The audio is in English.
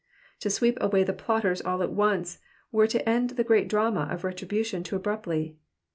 To sweep away the plotters all at once were to end the great drama of retribution too abruptly.